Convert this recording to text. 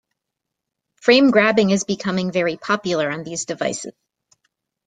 Frame grabbing is becoming very popular on these devices.